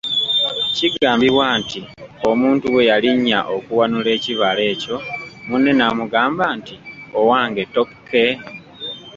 Kigambibwa nti omuntu bwe yalinnya okuwanula ekibala ekyo munne n’amugamba nti, “Owange ttokke?῎